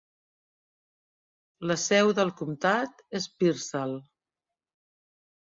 La seu del comtat és Pearsall.